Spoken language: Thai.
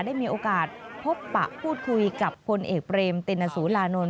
ได้มีโอกาสพบปะพูดคุยกับพลเอกเบรมตินสุรานนท์